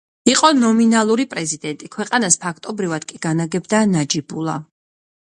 იყო ნომინალური პრეზიდენტი, ქვეყანას ფაქტობრივად კი განაგებდა ნაჯიბულა.